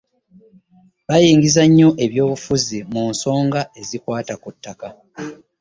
Bayingiza nnyo eby'obufuzi mu nsonga ezikwata ku ttaka.